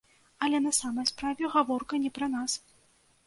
Але на самай справе, гаворка не пра нас.